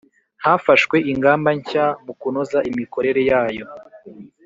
Hafashwe ingamba nshya mukunoza imikorere yayo